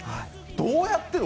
どうやってるの？